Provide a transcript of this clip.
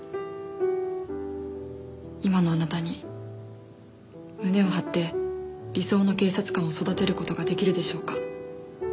今のあなたに胸を張って理想の警察官を育てる事が出来るでしょうか？